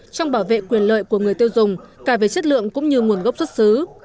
trong bảo vệ quyền lợi của người tiêu dùng cả về chất lượng cũng như nguồn gốc xuất xứ